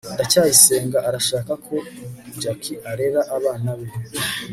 ndacyayisenga arashaka ko jaki arera abana be